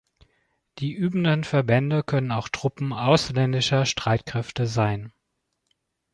Die übenden Verbände können auch Truppen ausländischer Streitkräfte sein.